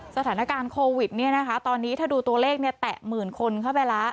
สถานการณ์โควิดตอนนี้ถ้าดูตัวเลขแตะหมื่นคนเข้าไปแล้ว